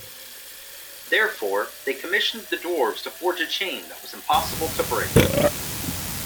Therefore, they commissioned the dwarves to forge a chain that was impossible to break.